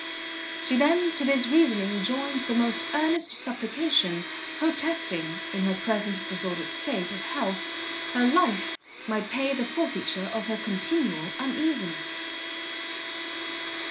She then to this reasoning joined the most earnest supplication, protesting, in her present disordered state, of health, her life might pay the forfeiture of her continual uneasiness.